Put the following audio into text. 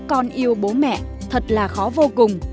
con yêu bố mẹ thật là khó vô cùng